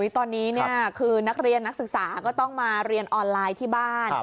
ตอนนี้คือนักเรียนนักศึกษาก็ต้องมาเรียนออนไลน์ที่บ้าน